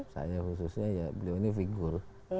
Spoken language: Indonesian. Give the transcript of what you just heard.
saya khususnya ya beliau ini figur